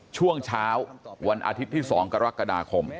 ช่วงเช้าวันอาทิตย์ที่๒กรกฎาคม